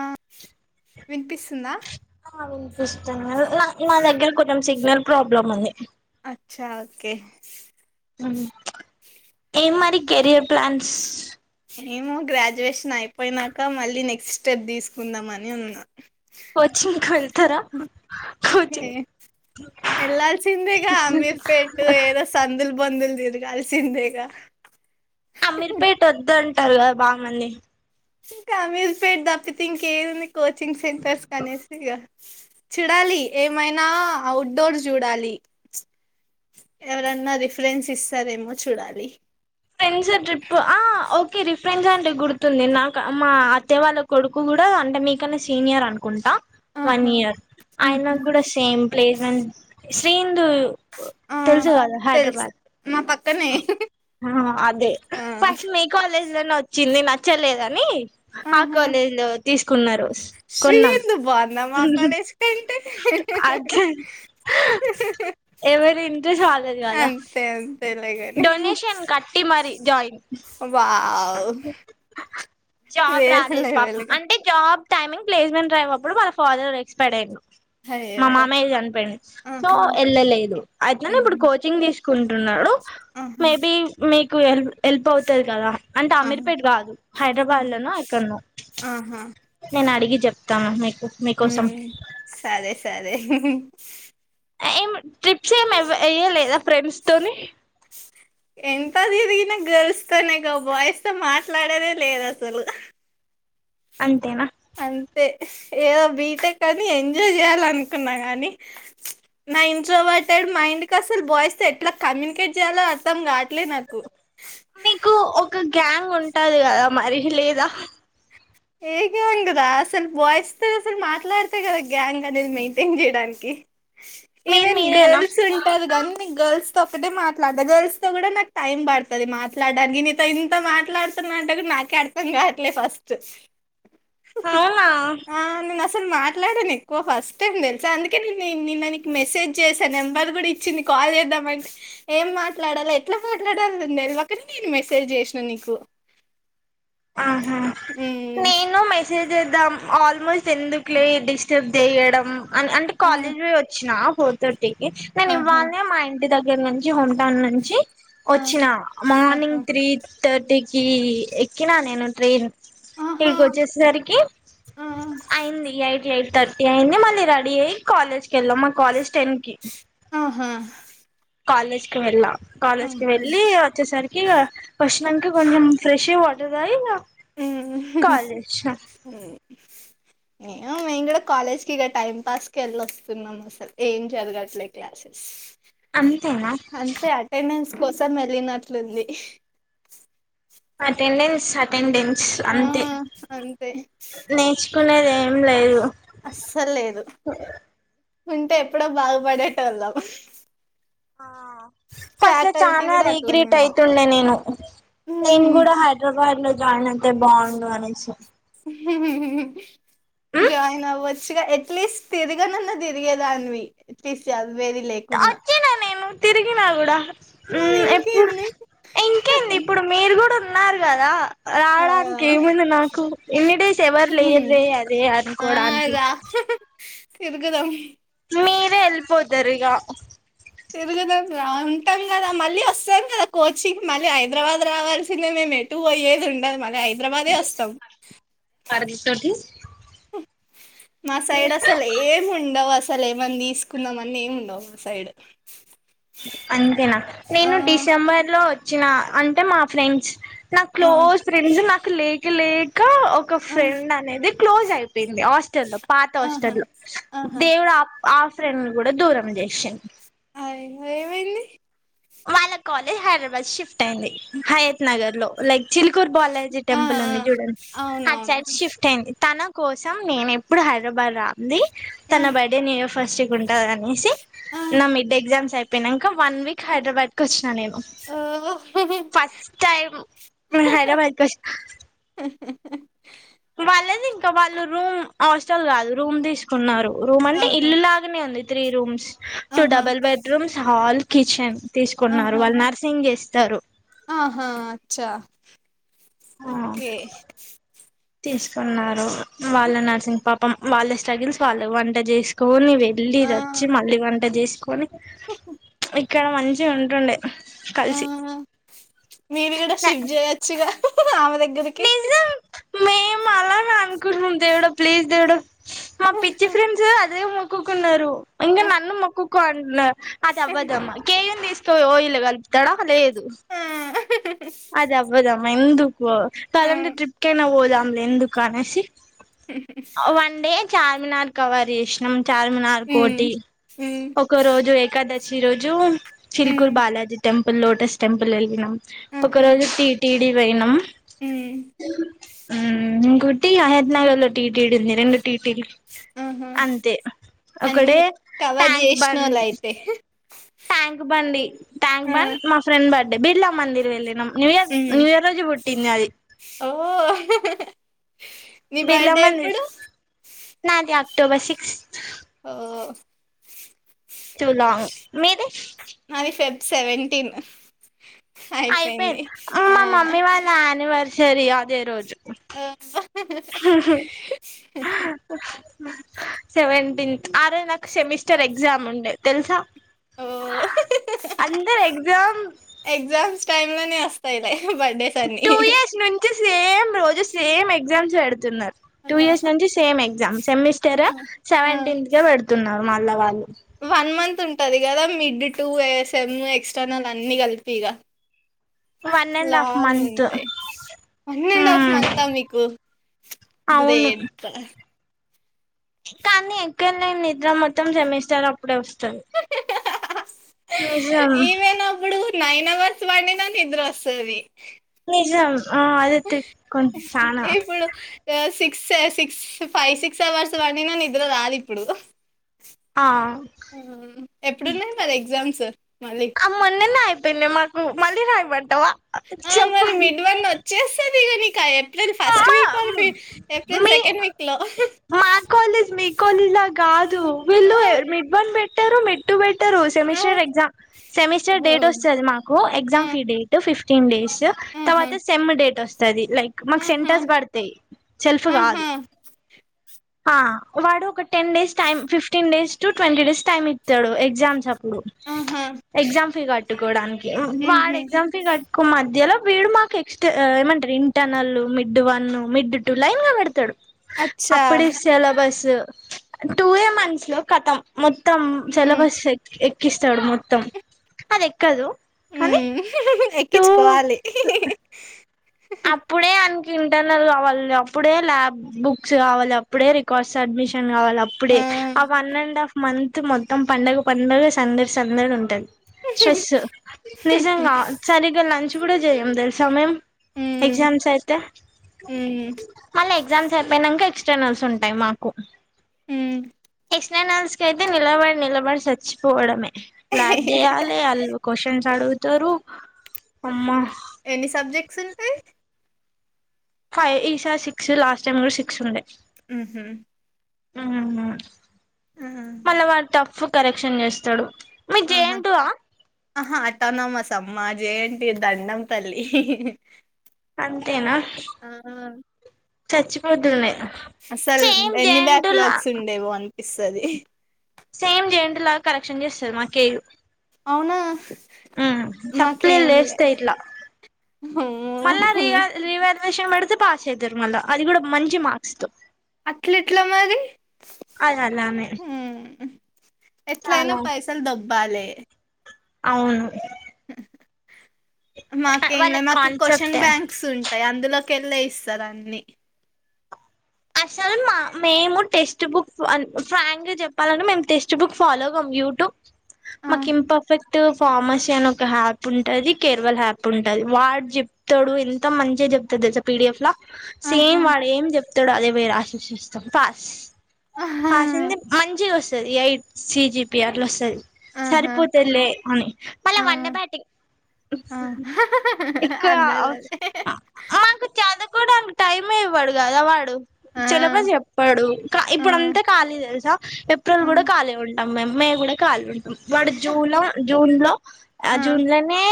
ఆ వినిపిస్తుందా పుస్తంగా మా దగ్గర కుంచం సిగ్నల్ ప్రాబ్లమ్ ఉంది అచ్చ ఒకే ఏ మారి కెరియర్ ప్లాన్స్ మేమ గ్రాడ్యుయేషన్ అయిపోయినాక మళ్ళీ నెక్స్ట్ స్టెప్ తీసుకుందాం అని ఉన్నా కోచింగ్కి వెళ్తార హ ఎల్లాల్సిందిగ అమీర్ పేట్ ఏదో సందుల్ బందుల్ది దిగాల్సిందేగా తెల్ బాగు మంది ఇంకా అమీర్పేట్ దప్పితే ఇంకేముంది కోచింగ్ సెటర్స్ కానీ సిగా చూడాలి ఏమైనా అఔట్డోర్ చూడాలి ఎవరన్నా రిఫరెన్స్ ఇస్తారేమో చూడాలి ఫ్రెండ్స్ ట్రిప్ ఆ ఓకే రిఫ్రెండ్స్ అంటే గుర్తుంది నాకు మా అత్తే వాళ్ళ కొడుకు కూడా అంటే మీకన్నా సీనియర్ అనుకుంటా వన్ ఆహా ఇయర్ అయన ఉహు కూడా సేమ్ ప్లేస్మెంట్ శ్రీ ఇందూ ఆ తెలుసు కదా తెలుసు హైదరాబాద్ మా పక్కనే ఆ అదే ఆ ఫస్ట్ మీ కాలేజ్ పలనా వచ్చింది నచ్చలేదని ఆ ఆహా కాలేజ్ లో తీసుకున్న రోజు శ్రీ కొన్నాం ఎందుకు బాగుందా మా కాలేజ్ కంటే అట్ ఎవరి ఇంట్రెస్ట్ వాల్లది కదా అంతే అంతేలేగాని డొనేషన్ కట్టి మరి జాయిన్ అవు జాబ్ రాలేదు పాపం అంటే జాబ్ టైమింగ్ ప్లేస్మెంట్ డ్రైవ్ అప్పుడు ఫాదర్ ఎక్స్పైర్డ్ అయ్యారు మా అయ్యో మామయ్య చనిపోయిండు సో ఆహా వెళ్ళలేదు అట్లనే ఇప్పుడు ఉహు కోచింగ్ తీసుకు కుంటున్నడు. ఆహా మే బీ మేక్ కూయలెదు హెల్ప్ అవుతది కదా. ఆహా శామీర్పేట్ కాదు హైదరాబాద్ ఆహా లనో, ఎక్కడ్నో. ఆహా నేనడిగి చెప్ [unintelligible] ఉమ్, సరే సర్ ఏమ్ ట్రిప్స్ ఏం ఎల్ తొ ఎయ్య లేదా ఫ్రెండ్స్ తోని ఎంత తిరిగిన గర్ల్స్ తొనేగా, బాయ్స్ తో మాట్లాడేదే లేదసలు. అంతేనా? అంతే, ఏదో బీటెక్ అని ఎంజాయ్ చేయాలనుకున్న కని. నా ఇంట్రోవర్టెడ్ మైండ్ క్ క అసల్ బాయ్స్ తో ఎట్ల కమ్యూనికేట్ చేయాలో అస్ ర్థం కాట్లే నాకు. క గ్యాంగ్ ఉంటది కదా, మరి లేదా? ఏ గ్యాంగ్ రా? అసలు బాయ్స్ తో అసలు మాట్లాడ్తే కదా, గ్యాంగ్ అనేది మెయింటెన్ చేయడానికి? మీరు ఈవెన్ మీరేనా గర్ల్స్ ఉంటరు గనీ, నెన్ గర్ల్స్ తొ ఒక్కటే మాట్లాడత. గర్ల్స్ తో కూడా నాకు టైం పడుతది మాట్లాడానికి, నీతో ఇంత మాట్లాడుతున్నా అంటె కూడ నాకే అర్థం కావట్లేదు ఫస్ట్. అవునా ఆ నెన్ అసల్ తోన్ మాట్లాడన్ ఎక్కువ ఫస్ట్ టైం తెలుసా, అందుకే నేను నిన్న నీకు మెసేజ్ చేసా, నెంబర్ కూడా ఇచ్చింది, కాల్ చేద్దామంటే ఏం మాట్లాడలో ఎట్లా మాట్లాడాలన్ తెలివకనే, నేను మెసేజ్ చేసినా నీకు. ఆహా ఉమ్ నేన్ చేసేద్దాం, ఆల్మోస్ట్ ఎందుక్లే డిస్టర్బ్ చేయడం అన్ అంటే ఆ కాలేజ్ పోయి వచ్చినా. ఫోర్ తట్ [unintelligible] కనీ ఆహా వాళ్ళే మా ఇంటి దగ్ నేన్ మంచిగ పన్ కానుంచి ఆ వచ్చిన, మార్నింగ్ త్రీ తట్టికి ఎక్ క్కినా నేను ట్రేన్ ఆహా ఆహా ఈడికొచ్చేసరికి ఆ అయింది ఎయిట్, ఎయిట్ తర్ అయింది మళ్ళీ రెడీ అయ్యి కాలేజ్కి వెళ్ళాం మా కాలేజ్ టెమ్ కి ఆహా కాలేజ్కి వెళ్ళ కాలేజ్ కి ఆహా వెళ్ళలి వచ్చేసరికి ఇ వచ్చినాక కొంచెం ఫ్రెష్ అయ్ వా లేదయినా హ్మ్మ్ ఉమ్ నేను మేం కూడా కాలేజ్ కి ఇక టైం పాస్కి వెళ్ళి వస్తున్నాము అసలు ఏం జరగట్లేదు క్లాసెస్ అంతేనా అంతే అటెండెన్స్ కోసం వేళ్ళినట్లుంది అటెండెన్స్ అటెండెన్స్ ఆ అంతే నేచి కొలెదే అస్సల్ లేదు ఉంటే ఎప్పుడో బాగుపడేటోళ్ళాం ఆ ఫస్ట్లో చనా కూడా అట్లనే రీగ్రేట్ ఉంది అయితుండే నేను నేను కూడా హైదరాబాద్ లో రాయన్ నేన్ హుహుహు ఉమ్ జాయిన్ అవ్వ చ్చుగా ఎట్లీస్ట్ తిరగనన్న తిరిగేదానివి ఎట్లీస్ట్ చ అచ్చిన నేను తిరిగినా కూడా మరి హ్మ్ ఎప్పుడు ఇంకేంది ఇంకేంది ఇప్పుడు మీరు కూడా ఉ న్నారు కదా ఆ రావడానికి ఏముంది నాకు ఇన్ని డేస్ ఎవరు లేరులే అదే ఆ అనుకోడానికి రా తిరుగుదాం మీరే ఎళ్ళిపోతరు ఇగ తిరుగుదాం రా ఉంటం కదా మళ్ళీ వస్తాం కదా కోచింగ్ మళ్ళీ హైదరాబాద్ రావాల్సిందే మేము ఎటు పోయ్యేది ఉండదు మళ్ళీ హైదరాబాదే వస్తాం పరది తోటి మా సైడ్ అసలు ఏం ఉండవు అస అసలు ఏమన్న తీసుకుందాం అన్న ఏమి ఉండవు మా సైడ్ అంతేనా ఆ నేను డిసెంబర్ లో వ చ్చిన అంటే మా ఫ్రెండ్స్ నా ఆ క్లోజ్ ఫ్రెండ్స్ నా లేక్ లేక్ కా ఒక ఆ ఫ్రెండ్ అనేది క్లోజ్ అయిపోయింది హాస్టల్లో పాత ఆహా హాస్టల్లో ఆహా దేవుడు ఆ ఆ ఫ్రెండ్ ని కూడా దూరం చేశిం అయ్యో ఏమైంది వాళ్ళ కాలేజ్ హైదరాబాద్ షిఫ్ట్ అయింది హయత్ నగర్ లో లైక్ చిల్ కూరు బాలాజీ ఆ టెంపుల్ ఆ ఉంది చూడండి అటు సైడ్ అవునవును షిఫ్ట్ అయింది తన కోసం నేను ఎప్పుడు హైదరాబాద్ రాంది ఆ తన బర్త్డే న్యూ ఇయర్ ఫస్ట్క్ ఉంటంది అనేసి ఆ నా మిడ్ ఎగ్జామ్స్ అయిపోయినాక వన్ వీక్ హైదరాబాద్కు వచ్చిన నేను ఓ ఫస్ట్ టైమ్ నేను హైదరాబాద్కు వచ్చిన వాళ్ళది ఇంకా వాళ్ళ రూమ్ హాస్టల్ కాదు రూమ్ తీసుకున్నారు రూమ్ అంటే ఆహా ఇల్లు లాగానే ఉంది త్రీ రూమ్స్ టూ ఆహా double bedrooms hall kitchen తీసుకున్నారు ఆహా వాళ్ళు నర్సింగ్ చేస్త తరు ఆహా అచ్చ ఆ తీసుకున్నారు వాళ్ళ నర్సింగ్ పాపం వాళ్ళ స్టగిల్స్ వాళ్ళ వంట చేసుకోని వెళ్ళి ఆ వచ్చి మళ్ళీ వంట చేసి కొనీ ఇక్కడ మంచిగా ఉంటుండే ఆ కలిసి మీరు కూడా షిఫ్ట్ చేయచ్చుగా ఆమె దగ్గరికి మేం అలా ర దేవుడా ప్లీజ దేవుడా మా పిచ్చి ఫ్రెండ్స్ అదే మొక్కుకున్నారు ఇంకా నన్ను మొక్కు కో అంటున్నారు అదవ్వదమ్మ కేయంది తో ఇలా కలుపుతాడా లేదు అది అవ్వదమ్మ ఎందు కావాలంటే ట్రిప్ కైన పోత ఎందుకా అనేసి వన్ డే చార్మినార్ కవర్ చేసినాం చార్మినార్ కోటి ఒక రోజు ఏకాదశి ఈ రోజు చిలుకూరు బాలాజీ టె లోటస్ టెంపుల్ వెళ్ళినాం ఒకరోజు తిటీ అడి పోయినం హు కోటి హయత్ నగర్ లో టీటీ డి ఉంది రెండు టి టి అంతే అన్ని ఒక్కడే కవర్ ట్యాంక్ చేసిన బండ్ వాళ్ళు అయితే ట్యాంక్ అంటే బిళ్ళ మందిర వెళ్ళినం న్యూ ఇయర్ న్యూ ఇయర్ రోజే పూటు పుట్టింది అది ఓహో బిర్లా మందిర్ నాది అక్ అక్టోబర్ సిక్స్ ఓ టు లాంగ్ మీది సేవేంటిన్ అయిపోయింది మా మమ్మీ వాళ్ళ యానివర్సరీ సరి అదే రోజు అబ్బా సెవెంటీన్త్ ఆ రోజు నాకు సెమిస్టర్ ఎగ్జామ్ ఉండే తెలుసా ఓ అందరు ఎగ్జామ్ వస్తాయి లే టూ ఇయర్స్ నుంచి సేమ్ రోజు సేమ్ ఎగ్జామ్స్ పెడుతున్నారు టూ ఇయర్స్ నుంచి సేమ్ ఎగ్జామ్ సెమిస్టర్ ఆ, సెవెంటీన్త్ కె పెడుతున్నారు మళ్ల్లా వాళ్ళు వన్ మంత్ ఉంటా ంటది కదా మిడ్ టూ ఎఎస్ఎం ఎక్స్టర్నల్ అన్ని కలిపి ఇగా వన్ అండ్ హాఫ్ లానే మంత్ ఉంటాయి వన్ అండ్ హాఫ్ ఉమ్ మంతా మీకు అవును గ్రేట్ కానీ ఎక్కువ వెళ్ళను నిద్ర మొత్తం సెమిస్టర్ అప్పుడే వస్తారు ఇవేన్ అపుడు నైన్ అవర్స్ పండినా నిద్ర వస్తుది నిజం ఆ అదే ఎతే కొంచ చనా సిస్ సిక్స్ ఫైవ్ సిక్స్ అవర్స్ పండిన నిద్ర రాదు ఇప్పుడు ఆ ఎప్పుడున్నాయి మరి ఎగ్జామ్స్ మళ్ళీ ఆ మొన్ననే అయిపోయిందియి మాకు మళ్ళీ రాయిమంటవా చెప్పాలి చెస్ అది కాని కాయప్ అమ్ మీ సెకండ్ వీక్ లో మా కాలజ్ మీ కాలజ్లా కాదు ఆ వీళ్ళు మిడ్ వన్ పెట్ ట్టరూ మిడ్ టూ పెటూ ఆ సెమిస్టర్ ఎగ్జామ్ సెమిస్టర్ ఓ డేట్ వస్తుంది మాకు ఆ exam fee date fifth ఫ్టీన్ days ఆహా తర్వాత సెమ్ డేట్ వస్తది వస్తది మాకు ఆహా సెంటర్స్ పడతాయి సెల్ఫ్ కాదు ఆహా ఆ వాడు ఒకటి ten days time fifteen days టటు twenty days time ఇస్తాడు ఎగజామ్స్ప్ అప్ ఆహా ఎగ్జామ్ ఫి కట్టుకోవడానికి వాడు ఉహు ఎగ్జామ్ ఫి కట్టు మధ్యలో వీడు మాకు ఎక్స్ట ఏమంటారు టనల్ mid one mid two line గా పెడతాడు. అచ్చా అప్పుడీ సిలబస్సు టూ ఏ మంత్స్ లో కతం మొత్తం హ్మ్ సెలబస్ ఎక్కిస్తాడు మొత్తం అది ఎక్కదు కానీ ఉం టూ ఎక్కించుకోవాలి. అప్పుడే అన్ ఇంటర్నల్ కావాలి అప్పుడే ల్యాబ్ బుక్స్ కావాలి అప్పుడే రికార్డ్స్ సడ్మిషన్ కావాలి అప్పుడే ఆ వన్ అండ్ హాఫ్ మంత్ మొత్తం పండుగ పండుగ సందడి సందడి ఉంటది స్ట్రెస్ నిజంగా సరిగా లంచ్. లంచ్ కూడా చేయము తెలుసా మేమ్ హ్మ్ ఎగ్జామ్స్ అయితే హ్మ్ మళ్ళీ ఎగ్జామ్స్ అయిపోయినంక ఎక్ స్టర్నల్స్ ఉంటాయి మాకు హ్మ్ ఎక్స్టార్నల్స్ కి అయితే నిలబడి నిలబడి చచ్చిపోవడమే లాబ్ చేయాలి అల్ క్వశ్చన్స్ ఆడుగు అడుగుతారు అమ్మ ఎన్ని సబ్జెక్ట్స్ ఉంటాయి ఫైవ్ ఈష సిక్స్ లాస్ట్ టైమ్ కూడా సిక్స్ ఉండే. ఉహుం ఉహుహు మళ్ళ వాడు టఫ్ కరెక్షన్ చేస్తాడు మీ ఆహా జేఎన్‌టూ ఆ ఆహా అట్టానమాసం మా జెఎన్‌టు దండం తల్లి అంతేనా ఆ చచ్చిపోతునే అసలు ఎన్ని బ్యాక్ లాగ్స్ ఉండేవో అనిపిస్త స్తది సేమ్ జెంట్ లాగా కరెక్షన్ చేస్తారు మాకేయూ అవునా సప్లీలు మాకేం లే లేస్తాయి ఇట్లా మళ్ళా రివ పెడితే పాస్ అవుతారు మళ్ళా అది కూడా మంచి మార్క్స్ తో అట్లేట్లా మరి అది అలానే ఉం ఎట్లాయినా చాలా పైసలు దబ్ బాలే అవును మాకేం వాళ్ళ లే మాకు క్వశ్చన్ కాన్సెప్టే బ్యాంక్స్ ఉంటాయి అందులో కెళ్లే ఇస్తారు అన్ని అసలు మా మేము టెక్స్ట్ బుక్ అన్ ఫ్రాంక్ గా చెప్పాలంటే మేము టెక్స్ట్ బుక్ ఫాలోగాం యూట్యూబ్ ఆ మాకు ఇంపర్ఫెక్ట్ ఫార్మసీ అని ఒక హ్యాప్ ఉంటుంది కేర్వల్ హ్యాప్ ఉంటది వాడు జెప్తాడు ఎంత మంచిగా జేప్తంది అసలు పీడిఎఫ్ ల ఆహా సేమ్ వాడ్ ఏం జెప్ అత్తడు అదే వేర ఆశస్స్తాం పాస్ ఆహా ఆసింది మంచిగా వస్తది ఎయిట్ సిజిపి అట్లా వస్తది ఆహా సరిపోతులే అని మళ్ళీ ఆ వన్న బాటింగ్ ఆ ఎక్కువ అందరిది అదే మాకు చద్ కోడానికి టైం మె ఇవ్వడు గదా వాడ్ ఆ చెలపా చెప్పాడు క ఆ ఇప్పుడు అంతా ఖాళీ తెలుసా ఏప్రిల్ కూడా ఖాళీ ఉన్ అమ్ అమ్మే గుడా కాల్ మీ వాడు జూలం జూన్ లో అ ఆ ఆ జూన్ లానే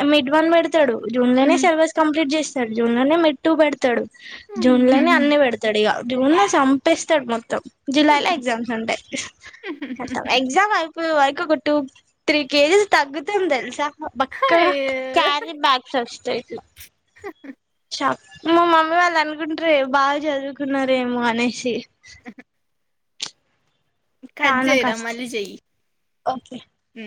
ఏ మిడ్ వన్ మిడ్ ఇత్తడు జూన్ లనే హ్మ్ సెలబస్ కంప్లీట్ చేస్ జూన్ననే మెట్టు పెడుతాడు జూన్ లనే అత్ జూన్ ల చంపేస్తాడు మొత్తం జూలైలో ఎగ్జామ్స్ ఉంటాయి కతం ఎగ్జామ్ అయిపో వర్ కుకు టూ త్రీ కేజీస్ తగ్గుతం తెలుసా బక్కగా అయ్యో క్యారి బ్యాగస్ వస్తాయి మా మమ్మీ వాళ్ళు అనుకుంటారే బాగా చదువుకున్నారేమో అనేసి కట్ చానా చెయ్ రా కష్టం మళ్ళీ చెయ్ ఓకే ఉ